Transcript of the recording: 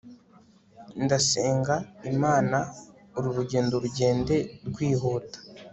ndasenga imana uru rugendo rugende rwihuta